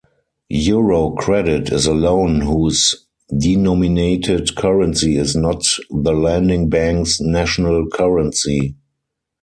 Eurocredit is a loan whose denominated currency is not the lending bank's national currency.